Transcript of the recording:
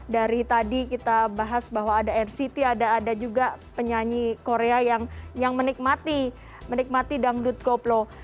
dari tadi kita bahas bahwa ada nct ada juga penyanyi korea yang menikmati dangdut koplo